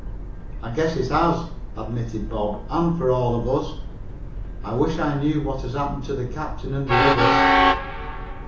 "I guess it has," admitted Bob. "And for all of us. I wish I knew what has happened to the captain and the others."